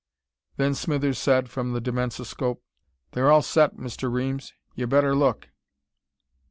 Then Smithers said, from the dimensoscope: "They're all set, Mr. Reames. Y'better look."